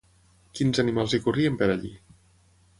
Quins animals hi corrien per allí?